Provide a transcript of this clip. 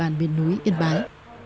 bản biệt núi ít bài